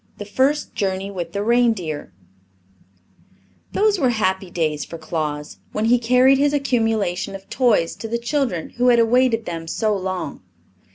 8. The First Journey with the Reindeer Those were happy days for Claus when he carried his accumulation of toys to the children who had awaited them so long.